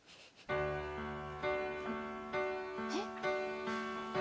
えっ？